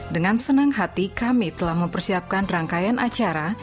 dengan senang hati kami telah mempersiapkan rangkaian acara